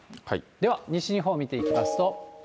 では、西日本を見ていきますと。